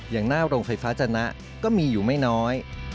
อย่างหน้าโรงไฟฟ้าจนะก็มีอยู่ไม่น้อย